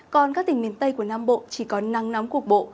còn các tỉnh miền tây của nam bộ chỉ có nắng nóng cục bộ